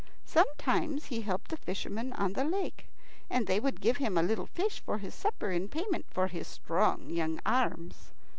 Sometimes he helped the fishermen on the lake, and they would give him a little fish for his supper in payment for his strong young arms.